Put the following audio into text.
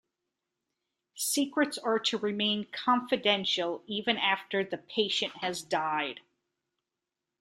Secrets are to remain confidential even after the patient has died.